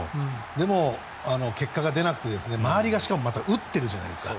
でも、結果が出なくて周りがしかもまた打ってるじゃないですか。